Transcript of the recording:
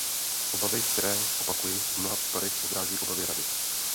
Obavy, které, opakuji, v mnoha případech odrážejí obavy Rady.